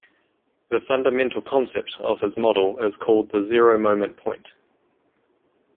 The fundamental concept of his model is called the Zero Moment Point.